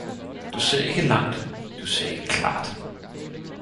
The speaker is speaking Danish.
Du ser ikke langt, du ser ikke klart